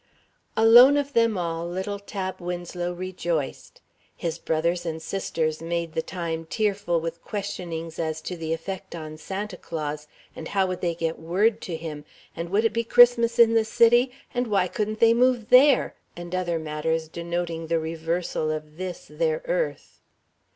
Alone of them all, little Tab Winslow rejoiced. His brothers and sisters made the time tearful with questionings as to the effect on Santa Claus, and how would they get word to him, and would it be Christmas in the City, and why couldn't they move there, and other matters denoting the reversal of this their earth.